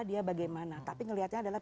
dia bagaimana tapi ngelihatnya adalah